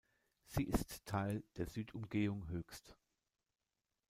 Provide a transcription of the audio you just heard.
Sie ist Teil der Südumgehung Höchst.